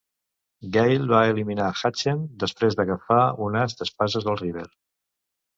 Gale va eliminar Hachem després d'agafar un as d'espases al river.